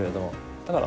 だから。